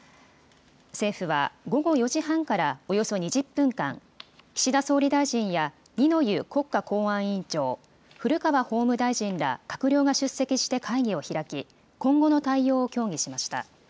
政府は、午後４時半からおよそ２０分間、岸田総理大臣や二之湯国家公安委員長、古川法務大臣ら閣僚が出席して会議を開き、今後の対応を協議しました。